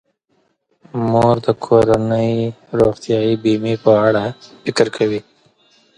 مور د کورنۍ د روغتیايي بیمې په اړه فکر کوي.